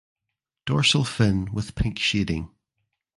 Dorsal fin with pink shading.